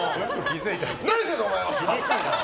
何してんだ、お前は！